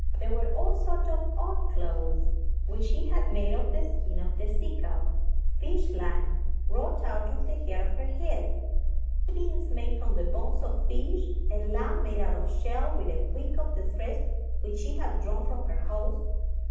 There were all sorts of odd clothes, which she had made of the skin of the sea calf; fish lines wrought out of the hair of her head; pins made from the bones of fish; a lamp made out of a shell, with a wick of the threads which she had drawn from her hose.